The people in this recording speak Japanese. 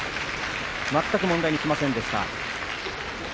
全く問題にしませんでした。